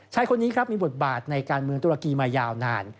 ชายคนนี้ครับมีบทบาทในการเมืองตุรกีมายาวนาน